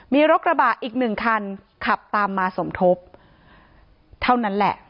มีรถกระบะอีกหนึ่งคันขับตามมาสมทบเท่านั้นแหละ